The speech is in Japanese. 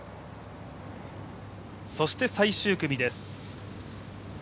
そして、最終組です。